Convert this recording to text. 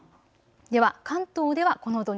では関東ではこの土日